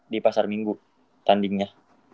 di pasar minggu tandingnya